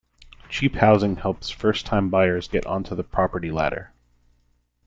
Cheap housing helps first time buyers get onto the property ladder.